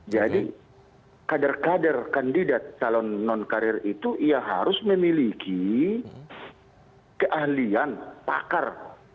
jadi kader kader kandidat talon non karir itu harus memiliki keahlian pakar